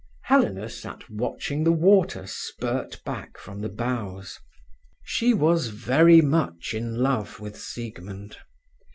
Helena sat watching the water spurt back from the bows. She was very much in love with Siegmund.